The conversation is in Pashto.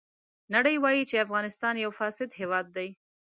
نړۍ وایي چې افغانستان یو فاسد هېواد دی.